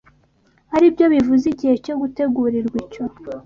ari byo bivuze igihe cyo gutegurirwa icyo